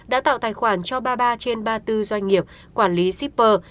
đã tạo tài khoản cho ba mươi ba trên ba mươi bốn doanh nghiệp quản lý shipper